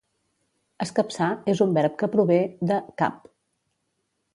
"Escapçar" és un verb que prové de "cap".